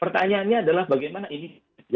pertanyaannya adalah bagaimana ini